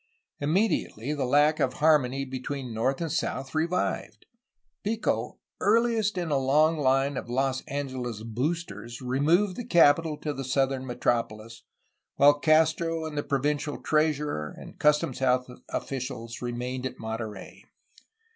Immediately, the lack of harmony between north and south revived. Pico, earliest in a long line of Los Angeles ^'boost ers,'* removed the capital to the southern metropoHs, while Castro and the provincial treasurer and custom house officials remained at Monterey.